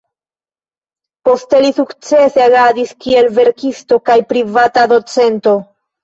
Poste li sukcese agadis kiel verkisto kaj privata docento.